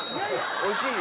おいしいよ。